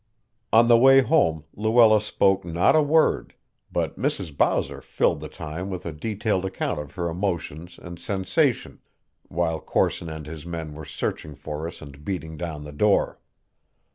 On the way home Luella spoke not a word, but Mrs. Bowser filled the time with a detailed account of her emotions and sensations while Corson and his men were searching for us and beating down the door.